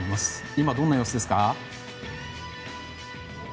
今どんな様子ですか？